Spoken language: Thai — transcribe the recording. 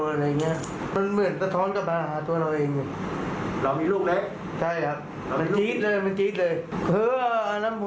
เพราะว่าอันนั้นผมไม่ได้ทั่งใจที่ให้ทอดหรอกครับ